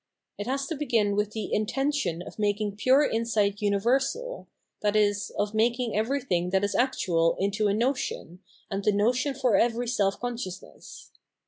It has to begin with the intention of making pure insight universal, i.e. of makmg everyiihing that is actual into a notion, and a notion for every seK consciousness.